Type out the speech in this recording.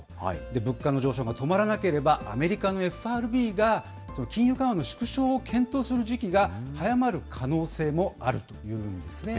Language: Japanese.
物価の上昇が止まらなければ、アメリカのＦＲＢが金融緩和の縮小を検討する時期が早まる可能性もあるというんですね。